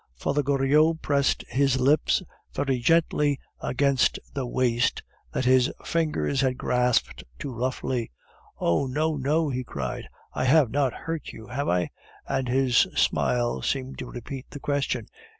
Father Goriot pressed his lips very gently against the waist than his fingers had grasped too roughly. "Oh! no, no," he cried. "I have not hurt you, have I?" and his smile seemed to repeat the question.